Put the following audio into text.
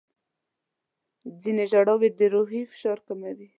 ځینې ژاولې د روحي فشار کموي.